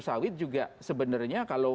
sawit juga sebenarnya kalau